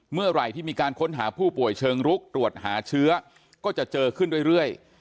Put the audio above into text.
เมื่อไหร่ที่มีการค้นหาผู้ป่วยเชิงรุกตรวจหาเชื้อก็จะเจอขึ้นเรื่อย